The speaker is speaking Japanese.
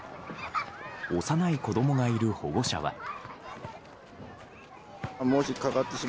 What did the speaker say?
幼い子供がいる保護者は。